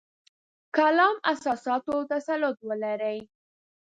کلام اساساتو تسلط ولري.